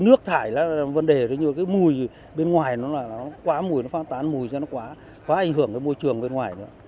nước thải là vấn đề mùi bên ngoài nó quá mùi nó phát tán mùi cho nó quá quá ảnh hưởng đến môi trường bên ngoài